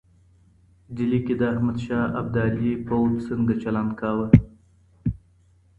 ډهلي کي د احمد شاه ابدالي پوځ څنګه چلند کاوه؟